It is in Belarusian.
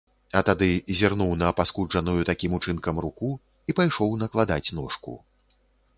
А тады зірнуў на апаскуджаную такім учынкам руку і пайшоў накладаць ношку.